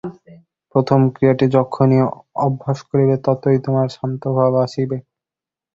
প্রথম ক্রিয়াটি যতই অভ্যাস করিবে, ততই তোমার শান্তভাব আসিবে।